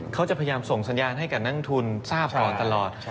เขาจะพยายามส่งสัญญาณให้กับนักทุนทราบก่อนตลอด